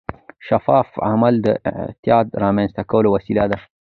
شفاف عمل د اعتماد رامنځته کولو وسیله ده.